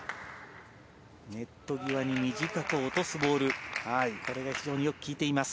ネット際に短く落とすボールが非常によく効いています。